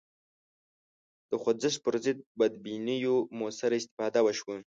د خوځښت پر ضد بدبینیو موثره استفاده وشوه